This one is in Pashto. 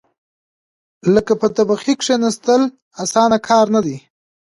لکه په تبخي کېناستل، اسانه کار نه دی.